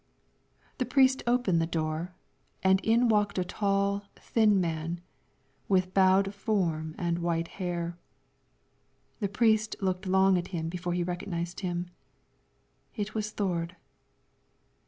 The priest opened the door, and in walked a tall, thin man, with bowed form and white hair. The priest looked long at him before he recognized him. It was Thord.